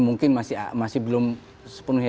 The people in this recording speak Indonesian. mungkin masih belum sepenuhnya